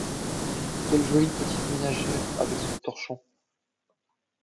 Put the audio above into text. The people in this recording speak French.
Quelle jolie petite ménagère, avec son torchon!